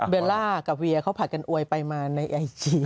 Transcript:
เวลากับเวียเขาผัดกันอวยไปมาในไอจี